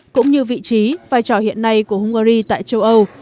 cũng như vị trí vai trò hiện nay của hungary tại châu âu